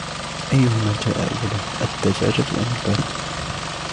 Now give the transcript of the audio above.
أيهما جاء أولاً ، الدجاجة أم البيضة ؟